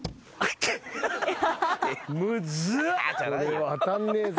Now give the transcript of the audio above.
これは当たんねえぞ。